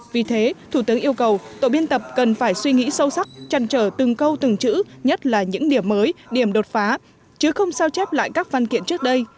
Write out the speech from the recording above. vì thế thủ tướng yêu cầu tổ biên tập cần phải suy nghĩ sâu sắc chăn trở từng câu từng chữ nhất là những điểm mới điểm đột phá chứ không sao chép lại các văn kiện trước đây